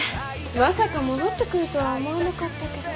まさか戻ってくるとは思わなかったけど。